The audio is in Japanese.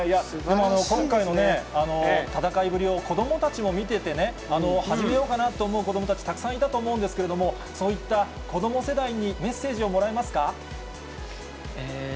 今回の戦いぶりを子どもたちも見ててね、始めようかなって思う子どもたち、たくさんいたと思うんですけれども、そういった子ども世代に、メッセージをもらえますか。